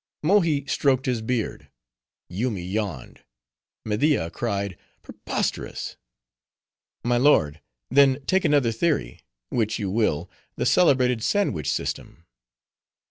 Mohi stroked his beard. Yoomy yawned. Media cried, "Preposterous!" "My lord, then take another theory—which you will—the celebrated sandwich System.